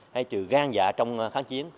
hay trừ gan dạ trong kháng chiến